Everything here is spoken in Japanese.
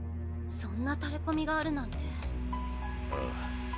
そんなタレコミがあるなんてああ。